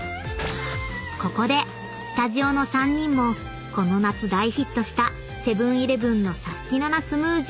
［ここでスタジオの３人もこの夏大ヒットしたセブン−イレブンのサスティな！なスムージーを試飲］